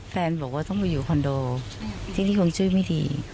บอกว่าต้องไปอยู่คอนโดที่นี่คงช่วยไม่ดี